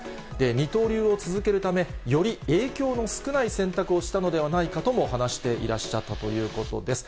二刀流を続けるため、より影響の少ない選択をしたのではないかとも話していらっしゃったということです。